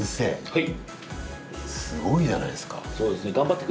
はい。